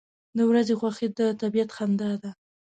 • د ورځې خوښي د طبیعت خندا ده.